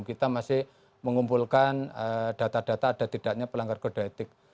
kita masih mengumpulkan data data ada tidaknya pelanggar kode etik